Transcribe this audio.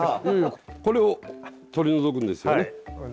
いやいやこれを取り除くんですよね。